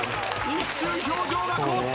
一瞬表情が凍った！